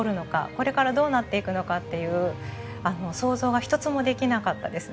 これからどうなっていくのかっていう想像が一つもできなかったですね。